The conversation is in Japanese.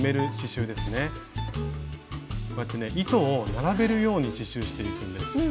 こうやってね糸を並べるように刺しゅうしていくんです。